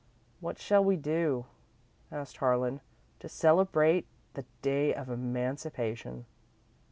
"What shall we do," asked Harlan, "to celebrate the day of emancipation?"